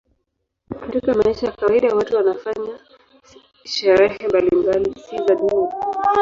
Katika maisha ya kawaida watu wanafanya sherehe mbalimbali, si za dini tu.